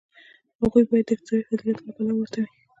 هغوی باید د اکتسابي فضیلتونو له پلوه ورته وي.